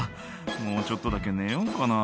「もうちょっとだけ寝ようかな」